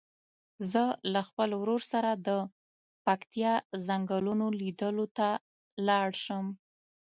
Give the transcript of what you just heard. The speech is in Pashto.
زه له خپل ورور سره د پکتیا څنګلونو لیدلو ته لاړ شم.